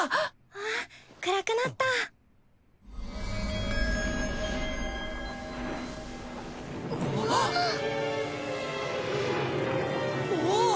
わあっ暗くなったおおっ！